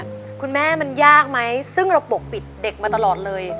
คุณแม่มันยากไหมซึ่งเราปกปิดเด็กมาตลอดเลย